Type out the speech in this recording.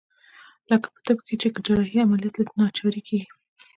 لکه په طب کښې چې جراحي عمليات له ناچارۍ کېږي.